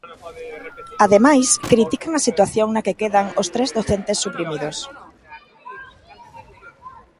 Ademais, critican a situación na quedan os tres docentes "suprimidos".